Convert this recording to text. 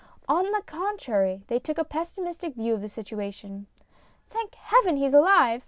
On the con trary, they took a pessimistic view of the situation. " Thank heaven, he's alive